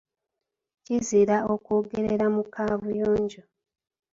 Kizira okwogerera mu kaabuyonjo.